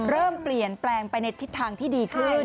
เริ่มเปลี่ยนแปลงไปในทิศทางที่ดีขึ้น